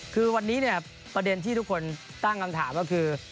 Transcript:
คือวันนี้เนี่ยประเด็นที่ทุกคนตั้งคำถามก็คือ